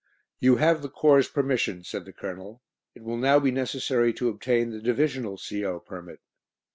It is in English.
"You have the Corps' permission," said the Colonel; "it will now be necessary to obtain the Divisional C.O. permit."